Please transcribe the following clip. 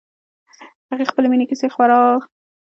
هغې خپلې مینې کیسې خور کاساندرا ته لیکلې.